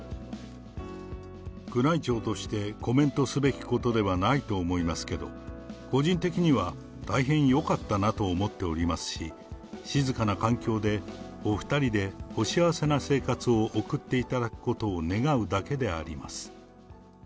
宮内庁として、コメントすべきことではないと思いますけど、個人的には大変よかったなと思っておりますし、静かな環境で、お２人でお幸せな生活を送っていただくことを願うだけであります。